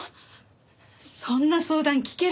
そんな相談聞けるはずが。